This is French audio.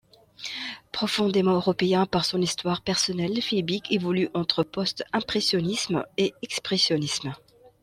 Profondément européen par son histoire personnelle, Fiebig évolue entre post-impressionnisme et expressionnisme.